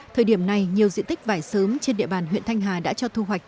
thời điểm này nhiều diện tích vải sớm trên địa bàn huyện thanh hà đã cho thu hoạch